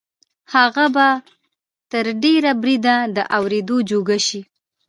هغه به تر ډېره بریده د اورېدو جوګه شي